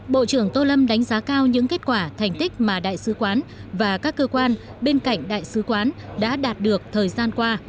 bộ trưởng tô lâm đánh giá cao những kết quả thành tích mà đại sứ quán và các cơ quan bên cạnh đại sứ quán đã đạt được thời gian qua